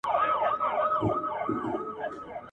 تیارې به د قرنونو وي له لمره تښتېدلي ..